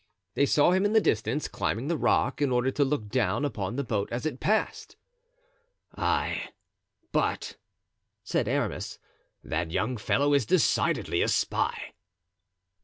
They saw him in the distance climbing the rock in order to look down upon the boat as it passed. "Ay, but," said Aramis, "that young fellow is decidedly a spy."